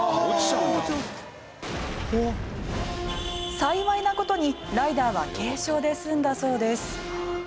幸いな事にライダーは軽症で済んだそうです。